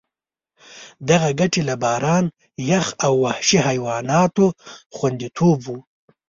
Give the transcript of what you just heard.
دغه ګټې له باران، یخ او وحشي حیواناتو خوندیتوب وو.